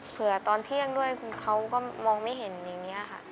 เผื่อตอนเที่ยงด้วยคุณเขาก็มองไม่เห็นอย่างนี้ค่ะ